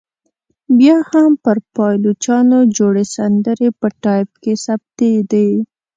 بیا هم پر پایلوچانو جوړې سندرې په ټایپ کې ثبتېدې.